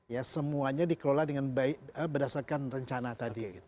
ya semuanya dikelola dengan baik berdasarkan rencana tadi